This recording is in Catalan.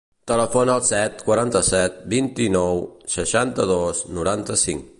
Telefona al set, quaranta-set, vint-i-nou, seixanta-dos, noranta-cinc.